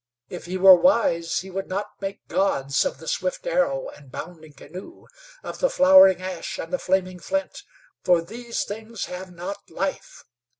If he were wise he would not make gods of the swift arrow and bounding canoe; of the flowering ash and the flaming flint. For these things have not life.